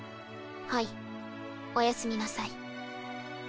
はいおやすみなさい。